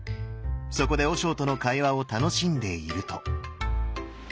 そこで和尚との会話を楽しんでいると。